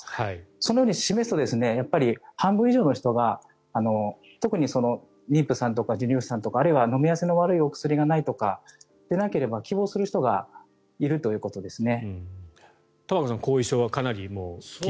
そのように示すと半分以上の人が特に妊婦さんとかあるいは飲み合わせの悪い薬がなければ希望する人がいるということですね。